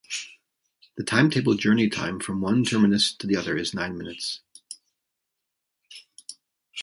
The timetabled journey time from one terminus to the other is nine minutes.